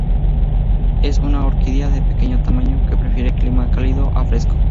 Es una orquídea de pequeño tamaño, que prefiere clima cálido a fresco.